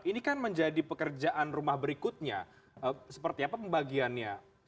ini kan menjadi pekerjaan rumah berikutnya seperti apa pembagiannya